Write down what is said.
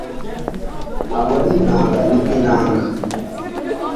ntabwo ari inanga. ni inanga